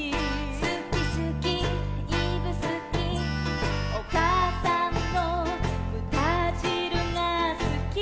「すきすきいぶすき」「お母さんのぶたじるがすき」